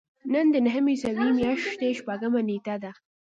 نن د نهمې عیسوي میاشتې شپږمه نېټه ده.